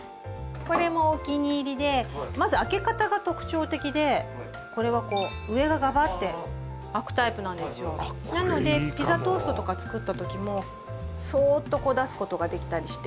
これもお気に入りでまず開け方が特徴的でこれはこう上がガバッて開くタイプなんですよなのでピザトーストとか作った時もそーっとこう出すことができたりしてこう失敗することが少ないんですよ